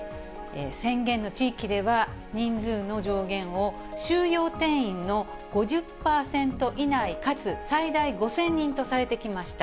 宣言の地域では、人数の上限を収容定員の５０％以内かつ最大５０００人とされてきました。